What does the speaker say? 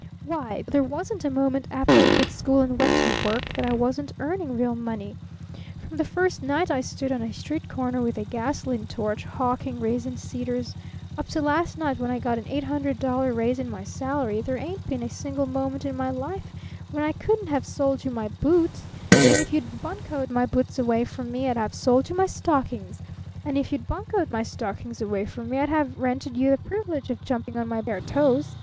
Why, there wasn't a moment after I quit school and went to work that I wasn't earning real money! From the first night I stood on a street corner with a gasoline torch, hawking rasin seeders, up to last night when I got an eight hundred dollar raise in my salary, there ain't been a single moment in my life when I couldn't have sold you my boots; and if you'd buncoed my boots away from me I'd have sold you my stockings; and if you'd buncoed my stockings away from me I'd have rented you the privilege of jumping on my bare toes.